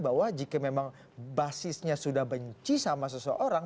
bahwa jika memang basisnya sudah benci sama seseorang